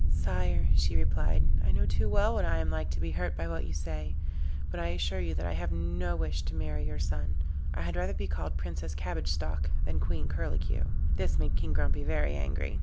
'Sire,' she replied, 'I know too well what I am like to be hurt by what you say, but I assure you that I have no wish to marry your son I had rather be called Princess Cabbage Stalk than Queen Curlicue.' This made King Grumpy very angry.